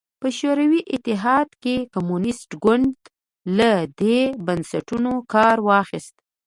په شوروي اتحاد کې کمونېست ګوند له دې بنسټونو کار واخیست